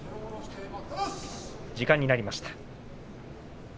時間になりました。